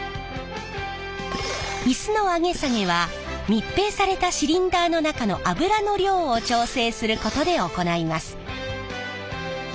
イスの上げ下げは密閉されたシリンダーの中の油の量を調整することで行います。